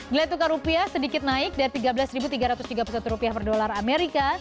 nilai tukar rupiah sedikit naik dari rp tiga belas tiga ratus tiga puluh satu rupiah per dolar amerika